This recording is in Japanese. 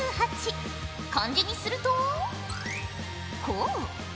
漢字にするとこう。